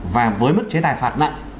và với mức chế tài phạt nặng